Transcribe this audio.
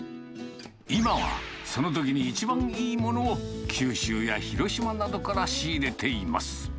今はそのときに一番いいものを九州や広島などから仕入れています。